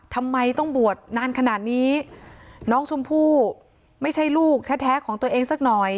ทำไมต้องบวชนานขนาดนี้น้องชมพู่ไม่ใช่ลูกแท้ของตัวเองสักหน่อย